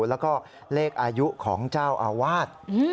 แล้วก็เลขอายุของเจ้าอาวาส